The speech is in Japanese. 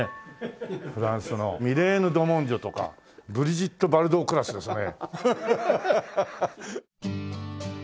フランスのミレーヌ・ドモンジョとかブリジット・バルドークラスですね。